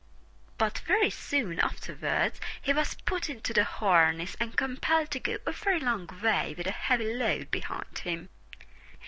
But very soon afterwards he was put into the harness and compelled to go a very long way with a heavy load behind him.